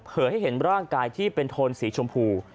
ให้เห็นร่างกายที่เป็นโทนสีชมพู